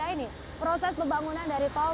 ini proses pembangunan dari tol